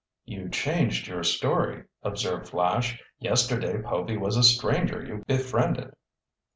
"You changed your story," observed Flash. "Yesterday Povy was a stranger you befriended."